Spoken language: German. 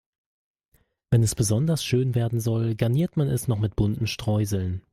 Wenn es besonders schön werden soll, garniert man es noch mit bunten Streuseln.